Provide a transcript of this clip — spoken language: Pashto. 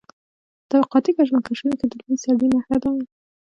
په طبقاتي کشمکشونو کې د لوی سړي نښه ده.